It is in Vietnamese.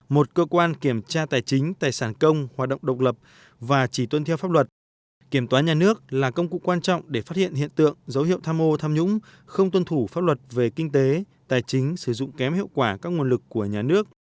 một cơ quan kiểm tra tài chính tài sản công hoạt động độc lập và chỉ tuân theo pháp luật kiểm toán nhà nước là công cụ quan trọng để phát hiện hiện tượng dấu hiệu tham ô tham nhũng không tuân thủ pháp luật về kinh tế tài chính sử dụng kém hiệu quả các nguồn lực của nhà nước